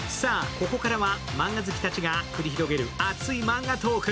ここからはマンガ好きたちが繰り広げる熱いマンガトーク。